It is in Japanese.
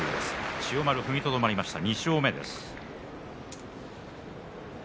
千代丸、踏みとどまりました２勝目です。